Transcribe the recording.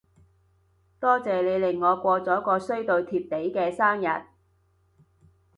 多謝你令我過咗個衰到貼地嘅生日